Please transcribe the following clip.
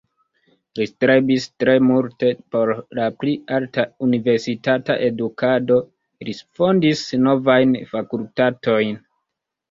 Li strebis tre multe por la pli alta universitata edukado, li fondis novajn fakultatojn.